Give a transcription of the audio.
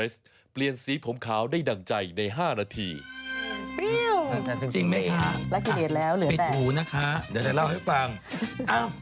จริงไหมคะปิดหูนะคะเดี๋ยวจะเล่าให้ฟังอ้าว